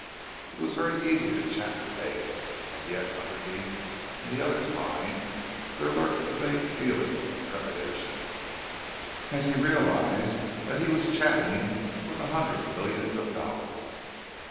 It was very easy to chat with Hegan; and yet underneath, in the other's mind, there lurked a vague feeling of trepidation, as he realized that he was chatting with a hundred millions of dollars.